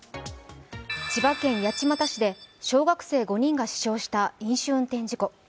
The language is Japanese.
千葉県八街市で小学生５人が死傷した飲酒運転事故。